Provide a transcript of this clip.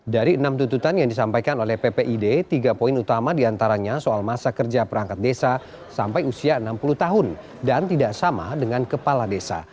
dari enam tuntutan yang disampaikan oleh ppid tiga poin utama diantaranya soal masa kerja perangkat desa sampai usia enam puluh tahun dan tidak sama dengan kepala desa